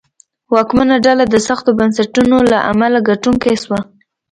واکمنه ډله د سختو بنسټونو له امله ګټونکې شوه.